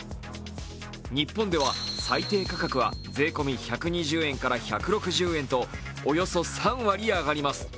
日本では裁定価格は税込み１２０円から１６０円と、およそ３割上がります。